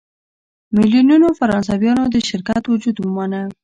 میلیونونو فرانسویانو د شرکت وجود ومانه.